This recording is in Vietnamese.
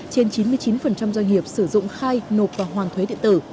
trên chín mươi chín doanh nghiệp sử dụng khai nộp và hoàn thuế điện tử